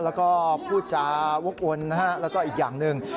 แล้วก็พูดจาวกวนนะฮะแล้วก็อีกอย่างหนึ่ง